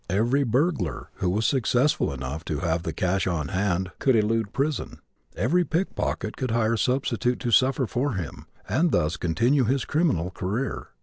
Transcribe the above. Every burglar who was successful enough to have the cash on hand could elude prison. Every pickpocket could hire a substitute to suffer for him and thus continue his criminal career.